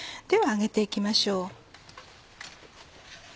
では揚げて行きましょう。